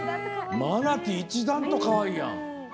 マナティー、一段とかわいいやん。